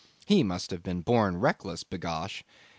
He must have been born reckless, b'gosh.